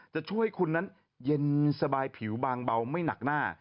จะช่วยคุณนั้นเย็นสบายผิวบางเบาไม่หนักหน้า